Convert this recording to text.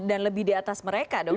dan lebih di atas mereka dong